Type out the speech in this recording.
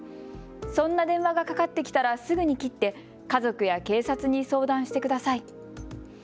そんな電話がかかってきたらすぐに切って家族や警察に相談してください。